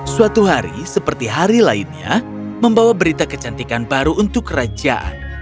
suatu hari seperti hari lainnya membawa berita kecantikan baru untuk kerajaan